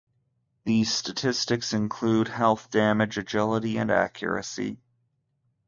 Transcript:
These statistics include Health, Damage, Agility, and Accuracy.